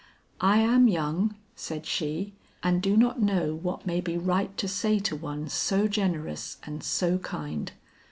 "I am young," said she, "and do not know what may be right to say to one so generous and so kind.